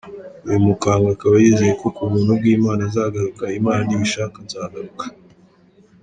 Uyu mukambwe akaba yizeye ko ku buntu bw’Imana azagaruka “Imana n’ibishaka, Nzagaruka”.